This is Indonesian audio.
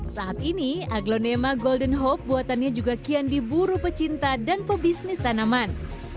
saat ini aglonema golden hope buatannya juga kian diburu pecinta dan pebisnis tanaman